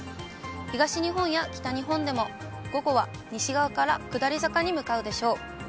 東日本や北日本でも午後は西側から下り坂に向かうでしょう。